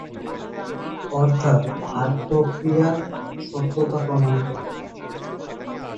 অর্থাৎ ভাগ প্রক্রিয়ার সত্যতা প্রমাণিত হলো।